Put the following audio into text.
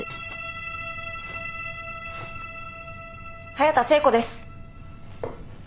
隼田聖子です。